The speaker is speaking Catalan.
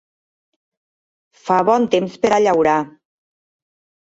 Fa bon temps per a llaurar.